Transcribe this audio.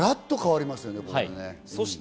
がらっと変わりますね。